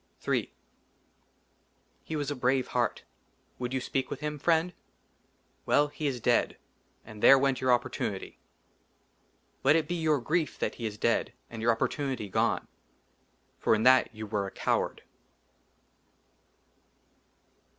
67 Ill HE WAS A BRAVE HEART. WOULD YOU SPEAK WITH HIM, FRIEND? WELL, HE IS DEAD, AND THERE WENT YOUR OPPORTUNITY. LET IT BE YOUR GRIEF THAT HE IS DEAD AND YOUR OPPORTUNITY GONE ; FOR, IN THAT, YOU WERE A COWARD.